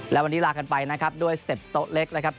และวันนี้ลากันไปนะครับด้วยสเต็ปโต๊ะเล็กนะครับ